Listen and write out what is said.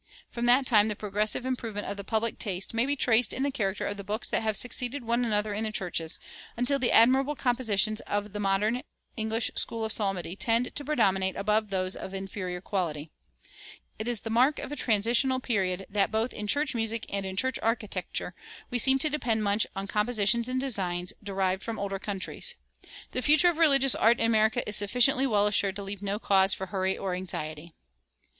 From that time the progressive improvement of the public taste may be traced in the character of the books that have succeeded one another in the churches, until the admirable compositions of the modern English school of psalmody tend to predominate above those of inferior quality. It is the mark of a transitional period that both in church music and in church architecture we seem to depend much on compositions and designs derived from older countries. The future of religious art in America is sufficiently well assured to leave no cause for hurry or anxiety.